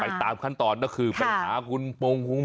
ไปตามขั้นตอนก็คือปัญหาคุณหมอ